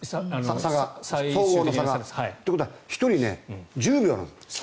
総合の差が。ということは１人１０秒なんです。